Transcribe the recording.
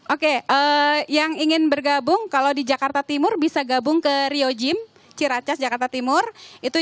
oke yang ingin bergabung kalau di jakarta timur bisa gabung ke rio gym ciracas jakarta timur